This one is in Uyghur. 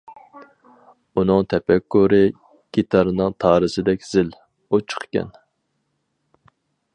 ئۇنىڭ تەپەككۇرى گىتارنىڭ تارىسىدەك زىل، ئۇچۇقكەن.